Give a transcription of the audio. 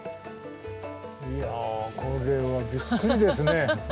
いやこれはびっくりですね。